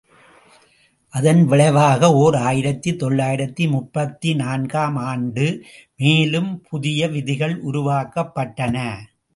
அதன் விளைவாக ஓர் ஆயிரத்து தொள்ளாயிரத்து முப்பத்து நான்கு ஆம் ஆண்டு, மேலும் புதிய விதிகள் உருவாக்கப்பட்டன.